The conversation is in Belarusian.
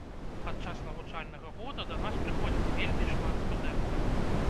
Падчас навучальнага года да нас прыходзіць вельмі шмат студэнтаў.